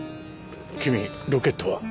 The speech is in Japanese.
君ロケットは？